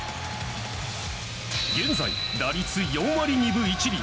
現在、打率４割２分１厘。